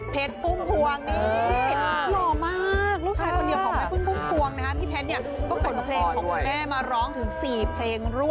เพื่อนมันไหว